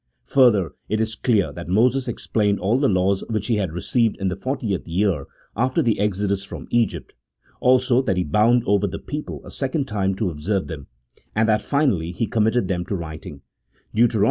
Further, it is clear that Moses explained all the laws which he had received in the fortieth year after the exodus from Egypt ; also that he bound over the people a second time to observe them, and that finally he committed them to writing (Deut.